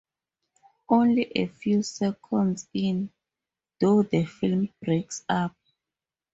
Only a few seconds in, though, the film breaks up.